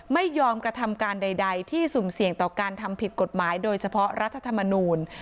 ไม่ยอมกระทำการใดที่สุ่มเสี่ยงต่อการทำผิดกฎหมายโดยเฉพาะรัฐธรรมนูล